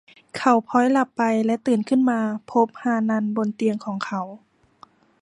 เขาผล็อยหลับไปและตื่นขึ้นมาพบฮานันบนเตียงของเขา